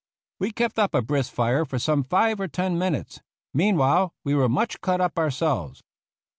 We kept up a brisk fire for some five or ten minutes; meanwhile we were much cut up our selves.